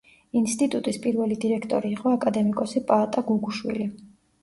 ინსტიტუტის პირველი დირექტორი იყო აკადემიკოსი პაატა გუგუშვილი.